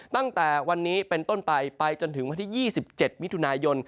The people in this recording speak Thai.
ตั้งแต่วันนี้เป็นต้นไปไปจนถึงวันที่๒๗มิถุนายน